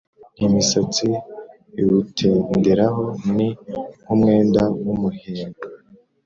imisatsi iwutenderaho ni nk’umwenda w’umuhemba;